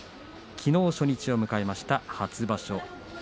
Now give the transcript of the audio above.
きのう初日を迎えました初場所。